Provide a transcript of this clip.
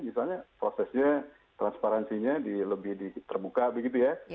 misalnya prosesnya transparansinya lebih terbuka begitu ya